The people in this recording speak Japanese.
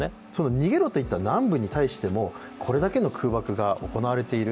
逃げろと言った南部に対してもこれだけの空爆が行われている。